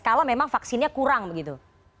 kalau memang vaksinnya kurang begitu